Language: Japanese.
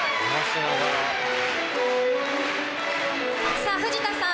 さぁ藤田さん